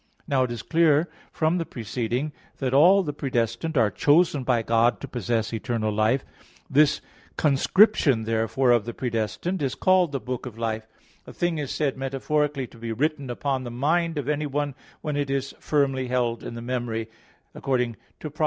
Now it is clear from the preceding (Q. 23, A. 4) that all the predestined are chosen by God to possess eternal life. This conscription, therefore, of the predestined is called the book of life. A thing is said metaphorically to be written upon the mind of anyone when it is firmly held in the memory, according to Prov.